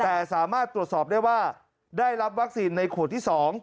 แต่สามารถตรวจสอบได้ว่าได้รับวัคซีนในขวดที่๒